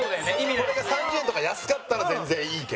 これが３０円とか安かったら全然いいけど。